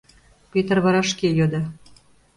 — Пӧтыр вара шке йодо.